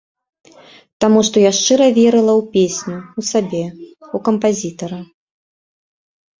Таму што я шчыра верыла ў песню, у сябе, у кампазітара.